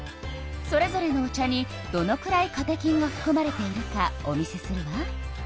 それぞれのお茶にどのくらいカテキンがふくまれているかお見せするわ。